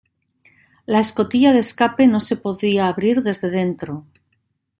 La escotilla de escape no se podía abrir desde dentro.